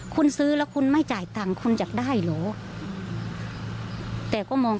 คุณซื้อแล้วคุณไม่จ่ายตังค์คุณอยากได้เหรอแต่ก็มอง